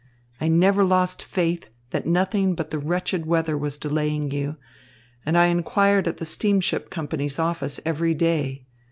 I never lost faith that nothing but the wretched weather was delaying you, and I inquired at the steamship company's office every day.